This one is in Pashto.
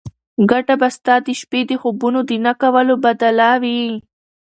ګټه به ستا د شپې د خوبونو د نه کولو بدله وي.